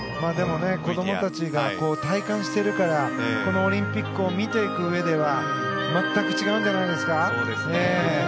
でも子どもたちが体感しているからこのオリンピックを見ていくうえでは全く違うんじゃないですか。